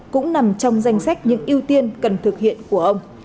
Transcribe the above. cũng nằm trong danh sách những ưu tiên cần thực hiện của ông